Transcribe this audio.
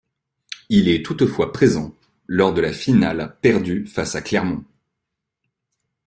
Il est toutefois présent lors de la finale perdue face à Clermont.